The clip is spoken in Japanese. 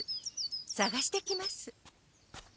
さがしてきます。